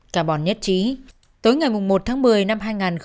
cả bọn nhất trí tối ngày một tháng một mươi năm hai nghìn một mươi chín